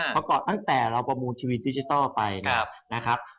ประกอบตั้งแต่เราประมูลทีวีดิจิทัลไปนะครับ